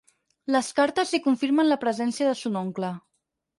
Les cartes li confirmen la presència de son oncle.